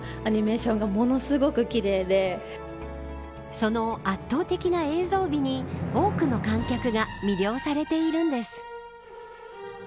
その圧倒的な映像美に多くの観客が魅了されているんです。